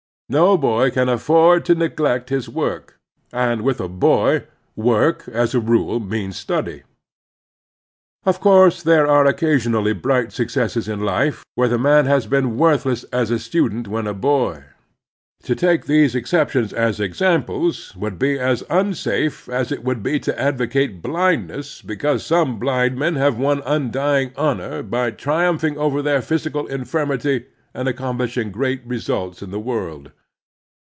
No boy can afford to neglect his work, and with a boy work, as a rule, means study. Of cotirse there are occasionally brilliant successes in life where the man has been worthless as a student when a boy. To take these exceptions as exam ples would be as unsafe as it would be to advocate blindness because some blind men have won un dying honor by triumphing over their physical infirmity and accomplishing great restdts in the world.